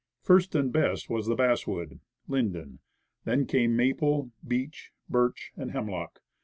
First and best was the basswood (linden); then came maple, beech, birch and hemlock.